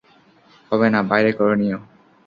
হবে না, বাইরে করে নিও।